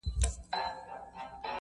يوه ورځ څه موږكان په لاپو سر وه-